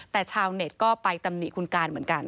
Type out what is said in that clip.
แต่ชาวเน็ตก็ไปตำหนิคุณการเหมือนกัน